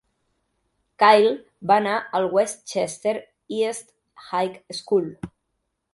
Kyle va anar al West Chester East High School.